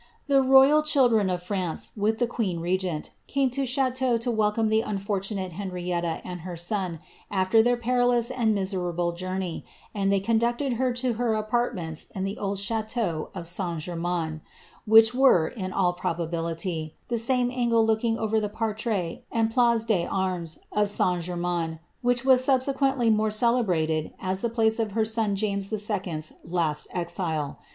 The royal children of Franco, with the queen regent, came to Chatou to welcome the unfortunate Henrietta and her son, aflcr their perilous «ih1 miserable journey,' and they conducted her to her apartments in the old chateau of St. Germains, which were, in all probability, the same tngle looking over the parterre and Place des Armes of St. Germains, which was subsequently more celebrated as the place of her son James IJ.*s last exile.